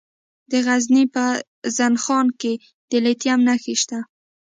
د غزني په زنه خان کې د لیتیم نښې شته.